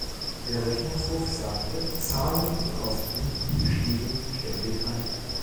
Der Rechnungshof sagte, Zahlen und Kosten stiegen ständig an.